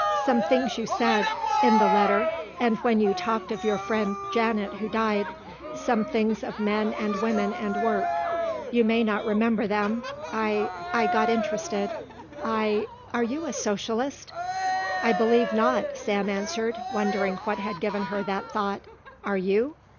Some things you said in the letter and when you talked of your friend Janet who died some things of men and women and work. You may not remember them. I I got interested. I are you a socialist?" "I believe not," Sam answered, wondering what had given her that thought. "Are you?"